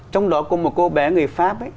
trong đó có một cô bé người pháp